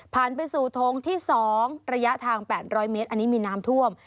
ผ่านไปสู่โถงที่สองระยะทางแปดร้อยเมตรอันนี้มีน้ำท่วม